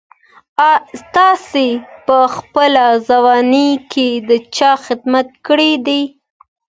تاسي په خپله ځواني کي د چا خدمت کړی دی؟